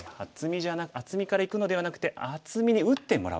厚みからいくのではなくて厚みに打ってもらう。